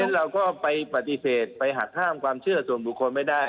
เราก็ไปปฏิเสธไปหักห้ามความเชื่อส่วนบุคคลไม่ได้